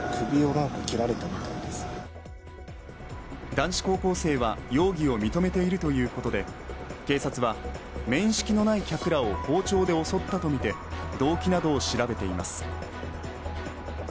男子高校生は容疑を認めているということで警察は面識のない客らを包丁で襲ったとみて動機などを調べています。